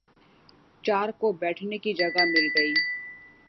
چار کو بیٹھنے کی جگہ مل گئی